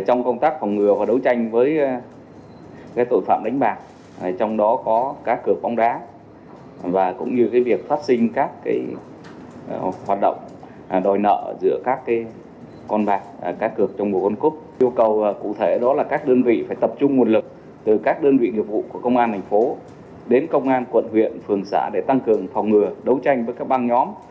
công an tp hcm tập trung nguồn lực từ các đơn vị nghiệp vụ của công an tp hcm đến công an tp hcm quận huyện phường xã để tăng cường phòng ngừa đấu tranh với các băng nhóm